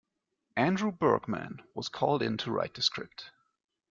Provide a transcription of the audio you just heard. Andrew Bergman was called in to write the script.